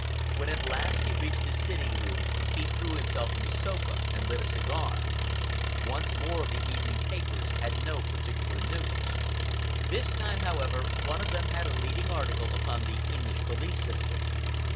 When at last he reached his sitting room he threw himself on the sofa and lit a cigar. Once more the evening papers had no particular news. This time, however, one of them had a leading article upon the English police system.